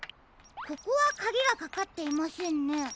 ここはかぎがかかっていませんね。